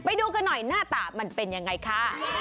ไปดูกันหน่อยหน้าตามันเป็นยังไงค่ะ